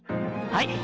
はい！